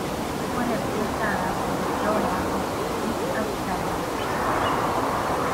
Fue reemplazada por "Flora of South Australia.